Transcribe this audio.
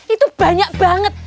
itu banyak banget